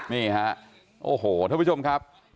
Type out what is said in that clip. นี่ฮะโอ้โหท่านผู้ชมครับ